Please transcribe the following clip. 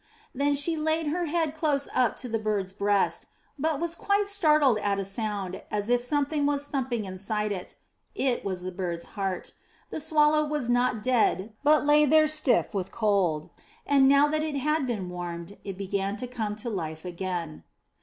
'* Then she laid her head close up to the bird's breast, but was quite startled at a sound, as if something was thumping inside it. It was the bird's heart. The swallow was not dead but lay there stiff with cold, and, now that it had been warmed, it began to come to life again.